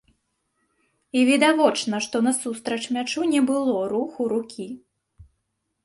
І відавочна, што насустрач мячу не было руху рукі.